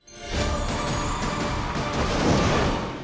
กำลังไปถามหนุนทรัพย์